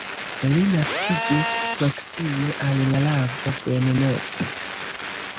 Li naskiĝis proksime al la lago Bennett.